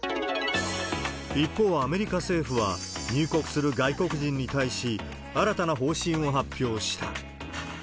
一方、アメリカ政府は、入国する外国人に対し、新たな方針を発表した。